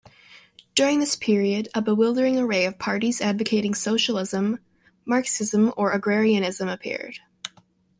During this period, a bewildering array of parties advocating socialism, Marxism or agrarianism appeared.